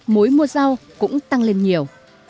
mối mua rau cũng tăng lên nhiều